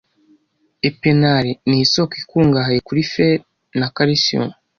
Epinari ni isoko ikungahaye kuri fer na calcium.